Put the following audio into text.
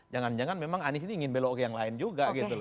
jangan jangan memang anies ini ingin belok ke yang lain juga gitu loh